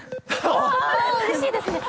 あ嬉しいですね